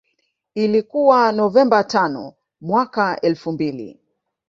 Ilikuwa Novemba tano mwaka elfu mbili